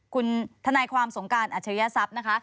คุณทนายความสงการอัจฉริยศัพย์นะคะ